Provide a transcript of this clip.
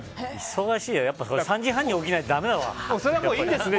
忙しいよ３時半に起きないとだめだわ。